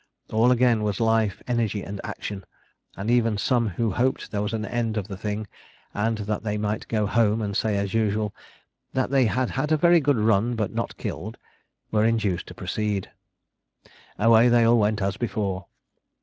All again was life, energy, and action; and even some who hoped there was an end of the thing, and that they might go home and say, as usual, 'that they had had a very good run, but not killed,' were induced to proceed. Away they all went as before.